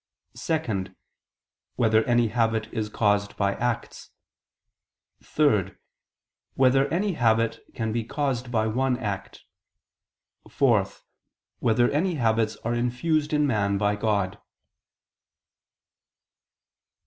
(2) Whether any habit is caused by acts? (3) Whether any habit can be caused by one act? (4) Whether any habits are infused in man by God?